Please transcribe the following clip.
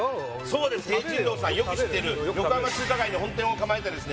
そうです聘珍樓さんよく知ってる横浜中華街に本店を構えたですね